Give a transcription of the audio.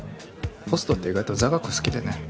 ホストって意外と座学好きでね。